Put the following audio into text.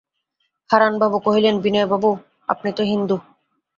হারানবাবু কহিলেন, বিনয়বাবু, আপনি তো হিন্দু?